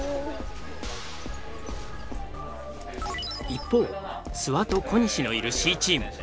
一方諏訪と小西のいるＣチーム。